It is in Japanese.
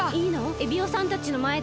エビオさんたちのまえで？